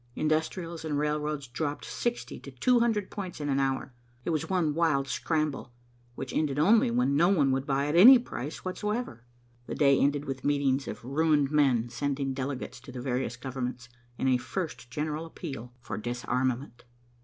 Industrials and railroads dropped sixty to two hundred points in an hour. It was one wild scramble, which ended only when no one would buy at any price whatsoever. The day ended with meetings of ruined men sending delegates to the various governments, in a first general appeal for disarmament.